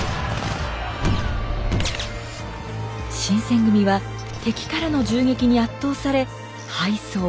新選組は敵からの銃撃に圧倒され敗走。